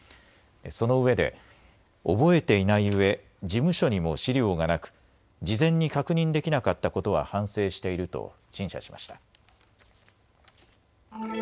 そのうえで覚えていないうえ、事務所にも資料がなく事前に確認できなかったことは反省していると陳謝しました。